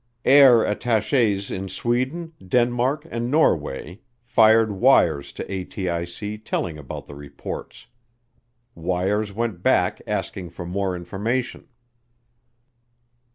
Air attaches in Sweden, Denmark, and Norway fired wires to ATIC telling about the reports. Wires went back asking for more information.